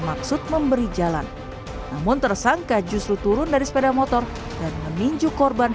maksud memberi jalan namun tersangka justru turun dari sepeda motor dan meninju korban